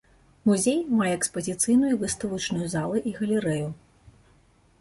Музей мае экспазіцыйную і выставачную залы і галерэю.